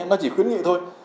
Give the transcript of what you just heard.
nó chỉ khuyến nghị thôi